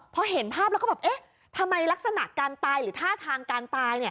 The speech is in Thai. พอเห็นภาพแล้วก็แบบเอ๊ะทำไมลักษณะการตายหรือท่าทางการตาย